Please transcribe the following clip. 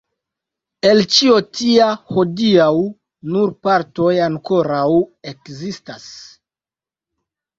El ĉio tia hodiaŭ nur partoj ankoraŭ ekzistas.